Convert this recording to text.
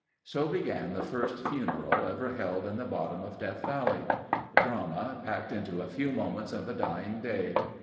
So began the first funeral ever held in the bottom of Death Valley. Drama, packed into a few moments of a dying day.